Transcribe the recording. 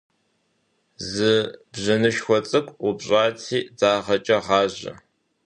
Зы бжьыныщхьэ цӏыкӏу упщӏати дагъэкӏэ гъажьэ.